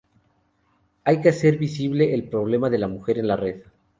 Hay que hacer visible el problema de la mujer en la red